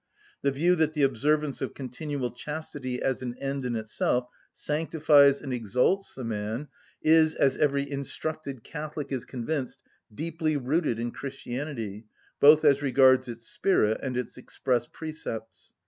The view that the observance of continual chastity as an end in itself sanctifies and exalts the man is, as every instructed Catholic is convinced, deeply rooted in Christianity, both as regards its spirit and its express precepts.